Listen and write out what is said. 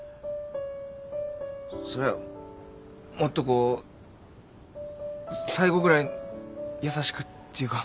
そりゃもっとこう最後ぐらい優しくっていうか仲良く。